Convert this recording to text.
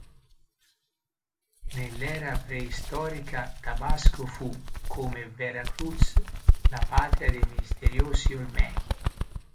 Nella era preistorica Tabasco fu, come Veracruz, la patria dei misteriosi Olmechi.